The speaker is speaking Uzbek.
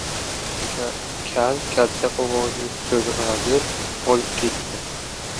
Kal katta qog‘ozni to‘lg‘azib, olib ketdi.